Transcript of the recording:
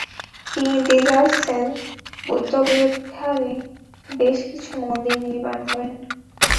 তিনি র্দ্জোগ্স-ছেন বৌদ্ধবিহারে বেশ কিছু মন্দির নির্মাণ করান।